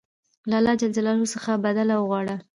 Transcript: له الله ج څخه بدله وغواړه.